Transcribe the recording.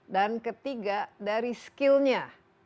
dan ketiga dari skillnya